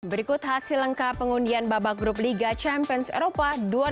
berikut hasil lengkap pengundian babak grup liga champions eropa dua ribu enam belas dua ribu tujuh belas